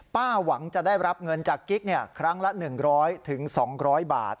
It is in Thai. หวังจะได้รับเงินจากกิ๊กครั้งละ๑๐๐๒๐๐บาท